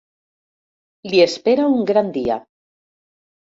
Li espera un gran dia.